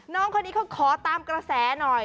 น้องคนนี้เขาขอตามกระแสหน่อย